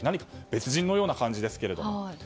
別人のような感じですが。